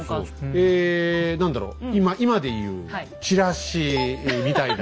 え何だろう今で言うチラシみたいな？